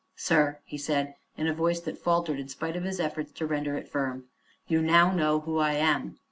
"Sir," he said in a voice that faltered in spite of his efforts to render it firm, "you now know who I am.